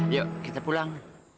yuk kita pulang